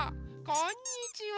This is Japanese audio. こんにちは！